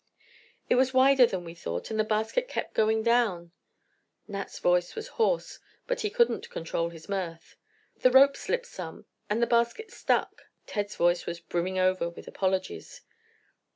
"It was wider than we thought and the basket kept going down——" Nat's voice was hoarse, but he couldn't control his mirth. "The rope slipped some—and the basket stuck——" Ted's voice was brimming over with apologies.